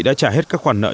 đã trả hết các khoản nợ